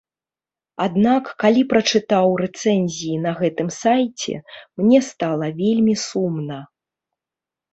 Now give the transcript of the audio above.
Аднак, калі прачытаў рэцэнзіі на гэтым сайце, мне стала вельмі сумна.